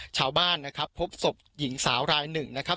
ชาวบ้านนะครับพบศพหญิงสาวรายหนึ่งนะครับ